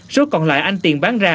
số còn lại anh tiền bán ra